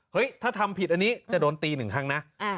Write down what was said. ถ้าทำผิดอันนี้จะโดนตีหนึ่งครั้งนะ